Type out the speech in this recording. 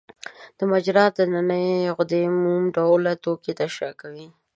د مجرا د نني غدې موم ډوله توکي ترشح کوي.